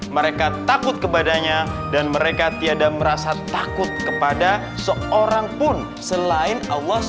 mereka takut kepadanya dan mereka tiada merasa takut kepada seorang pun selain allah swt